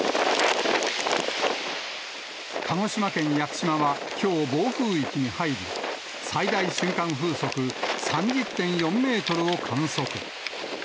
鹿児島県屋久島はきょう、暴風域に入り、最大瞬間風速３０．４メートルを観測。